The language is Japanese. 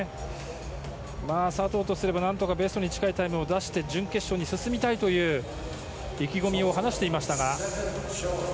佐藤とすれば何とかベストに近いタイムを出して準決勝に進みたいという意気込みを話していましたが。